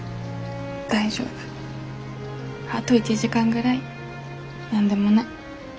あと１時間ぐらい何でもない。